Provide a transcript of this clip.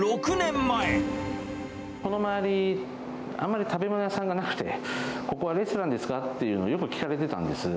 この周り、あんまり食べ物屋さんがなくて、ここはレストランですかっていうのをよく聞かれてたんです。